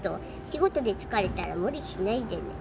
「仕事で疲れたら無理しないでね」